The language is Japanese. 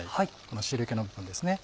この汁気の部分ですね。